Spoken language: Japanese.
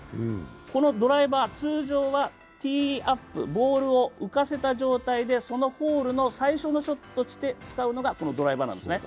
このドライバー、通常はティーアップ、ボールを浮かせた状態で、そのホールの最初のショットとして使うのがドライバーなんです。